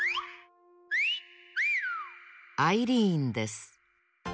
アイリーンです。